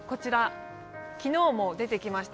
昨日も出てきました